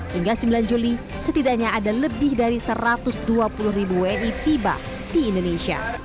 hingga sembilan juli setidaknya ada lebih dari satu ratus dua puluh ribu wni tiba di indonesia